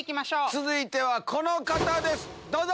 続いてはこの方ですどうぞ！